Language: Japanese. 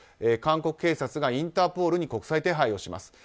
韓国警察がインターポールに国際手配をします。